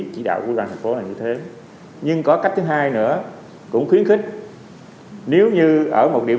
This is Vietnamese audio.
chọn địa điểm